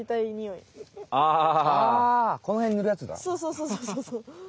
そうそうそうそう。